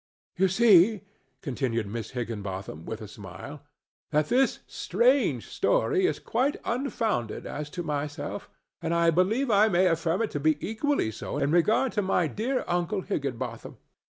"You see," continued Miss Higginbotham, with a smile, "that this strange story is quite unfounded as to myself, and I believe I may affirm it to be equally so in regard to my dear uncle Higginbotham.